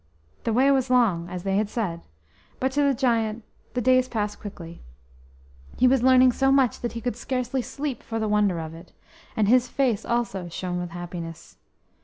The way was long, as they had said, but to the giant the days passed quickly. He was learning so much that he could scarcely sleep for the wonder of it, and his face also shone with happiness.